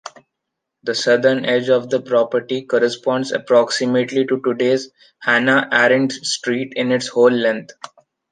The Southern edge of the property corresponds approximately to today’s Hannah Arendt Street in its whole length.